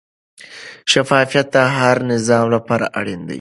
شفافیت د هر نظام لپاره اړین دی.